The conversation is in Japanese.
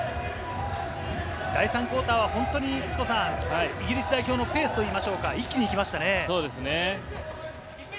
第３クオーターは本当にイギリス代表のペースと言いましょうか、一気にきましたね。